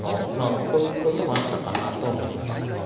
こういうこともあったかなと思います。